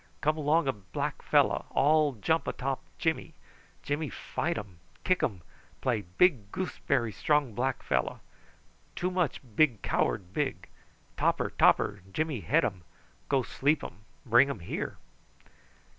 Come along a black fellow. All jump atop Jimmy. Jimmy fight um, kick um play big goose berry strong black fellow. Too much big coward big. Topper, topper, Jimmy head um. Go sleep um. Bring um here."